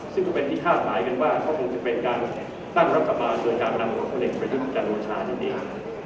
ซึ่งก็เป็นที่คาดหลายกันว่าเขาคงจะเป็นการตั้งรัฐบาลโดยการนำพวกคนเองไปยุ่งกันโรชานิดเดียว